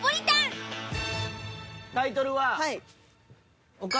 タイトルは。